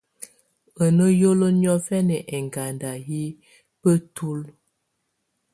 Á ná hìóló niɔ̀fɛna ɛŋganda yɛ́ bǝ́tulǝ́.